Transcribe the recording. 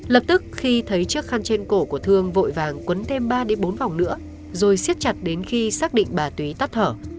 lập tức khi thấy chiếc khăn trên cổ của thương vội vàng quấn thêm ba bốn vòng nữa rồi xiết chặt đến khi xác định bà túy tắt thở